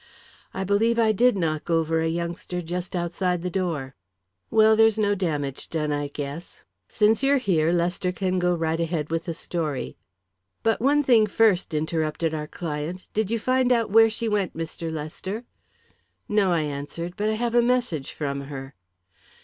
"I believe I did knock over a youngster just outside the door." "Well, there's no damage done, I guess. Since you're here, Lester can go right ahead with the story." "But one thing first," interrupted our client. "Did you find out where she went, Mr. Lester?" "No," I answered. "But I have a message from her."